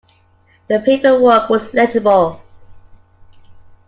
The paperwork was legible.